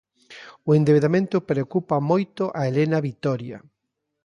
O endebedamento preocupa moito a Elena Vitoria.